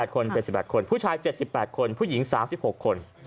๗๘คนเป็น๑๘คนผู้ชาย๗๘คนผู้หญิง๓๖คน